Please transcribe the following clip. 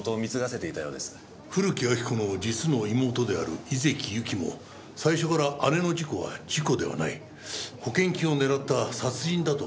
古木亜木子の実の妹である井関ゆきも最初から姉の事故は事故ではない保険金を狙った殺人だと疑っていたんですか？